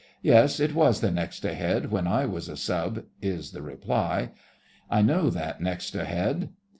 'Yes, it was the next ahead when I was a Sub,' is the reply. 'I know that next ahead.